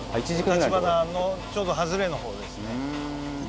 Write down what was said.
橘のちょうど外れの方ですね。